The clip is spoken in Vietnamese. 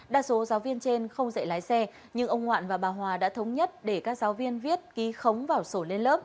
đa số giáo viên trên không dạy lái xe nhưng ông ngoạn và bà hòa đã thống nhất để các giáo viên viết ký khống vào sổ lên lớp